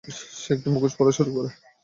সে একই মুখোশ পরা শুরু করে।